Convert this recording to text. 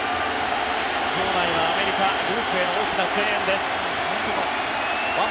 場内はアメリカ、ループへの大きな声援です。